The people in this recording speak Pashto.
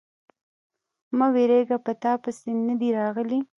_مه وېرېږه، په تاپسې نه دي راغلی.